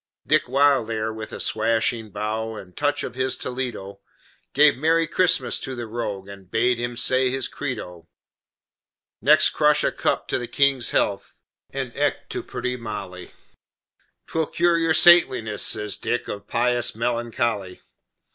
Dick Wildair, with a swashing bow, And touch of his Toledo, Gave Merry Xmas to the rogue And bade him say his Credo; Next crush a cup to the King's health, And eke to pretty Molly; "'T will cure your saintliness," says Dick, "Of Pious Melancholy."